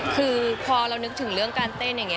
คือพอเรานึกถึงเรื่องการเต้น